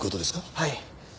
はい。